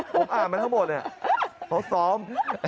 ผมอ่านมาทั้งหมดเนี่ยเขาซ้อม